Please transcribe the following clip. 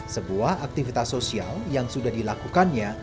sebuah aktivitas sosial yang sudah dilakukannya